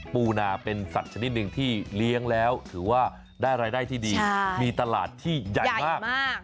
ปูนาเป็นสัตว์ชนิดหนึ่งที่เลี้ยงแล้วถือว่าได้รายได้ที่ดีมีตลาดที่ใหญ่มาก